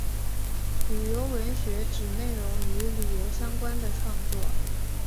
旅游文学指内容与旅游相关的创作。